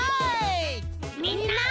みんな。